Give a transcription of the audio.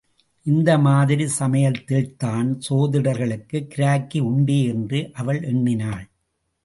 இந்த மாதிரிச் சமயத்தில்தான் சோதிடர்களுக்குக் கிராக்கியுண்டே என்று அவள் எண்ணினாள்.